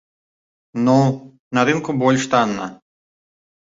Ну, на рынку больш танна.